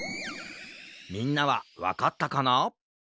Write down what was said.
みんなはわかったかな？